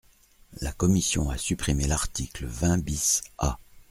La commission a supprimé l’article vingt bis A.